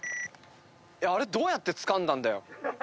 あれどうやってつかんだんだよ？